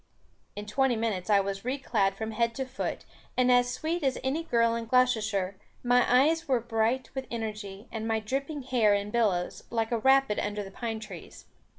In twenty minutes I was reclad from head to foot, and as sweet as any girl in Gloucestershire; my eyes were bright with energy, and my dripping hair in billows, like a rapid under the pine trees.